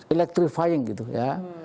electrifying gitu ya